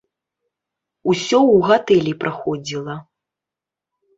Усё ў гатэлі праходзіла.